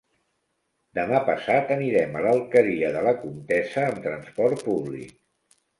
Demà passat anirem a l'Alqueria de la Comtessa amb transport públic.